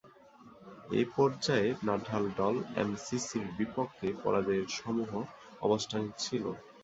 এ পর্যায়ে নাটাল দল এমসিসির বিপক্ষে পরাজয়ের সমূহ অবস্থানে ছিল।